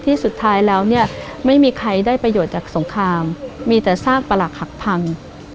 สุดท้ายแล้วเนี่ยไม่มีใครได้ประโยชน์จากสงครามมีแต่ซากประหลักหักพัง